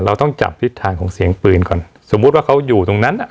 เราต้องจับทิศทางของเสียงปืนก่อนสมมุติว่าเขาอยู่ตรงนั้นอ่ะ